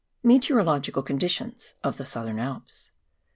METEOROLOGICAL CONDITIONS OF THE SOUTHERN ALPS.